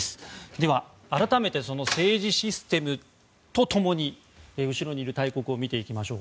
では、改めて政治システムと共に後ろにいる大国を見ていきましょう。